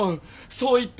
そう言った。